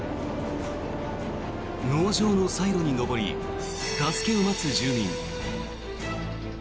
農場のサイロに上り助けを待つ住民。